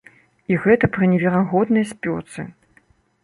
І гэта пры неверагоднай спёцы.